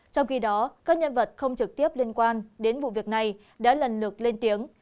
trong khi đó các nhân vật không trực tiếp liên quan đến vụ việc này đã lần lượt lên tiếng